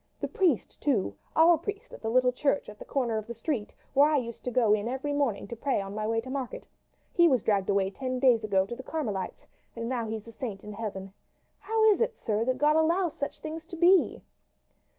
The priest, too our priest at the little church at the corner of the street, where I used to go in every morning to pray on my way to market he was dragged away ten days ago to the Carmelites, and now he is a saint in heaven. How is it, sir, that God allows such things to be?"